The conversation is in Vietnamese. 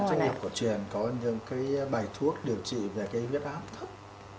thu y học cổ truyền có những cái bài thuốc điều trị về cái viết áp thấp